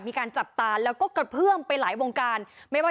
มีการจับตาแล้วก็กระเพื่อมไปหลายวงการไม่ว่า